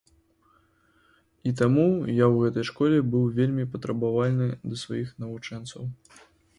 І таму я ў гэтай школе быў вельмі патрабавальны да сваіх навучэнцаў.